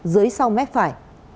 dưới sau mét phải